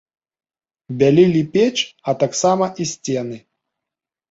Бялілі печ, а таксама і сцены.